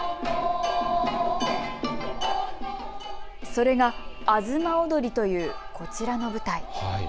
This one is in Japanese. それが東をどりというこちらの舞台。